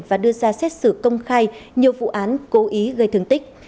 và đưa ra xét xử công khai nhiều vụ án cố ý gây thương tích